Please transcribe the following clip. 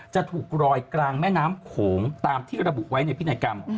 จะถูกรอยกลางแม่น้ำโขงตามที่ระบุไว้ในพินัยกรรม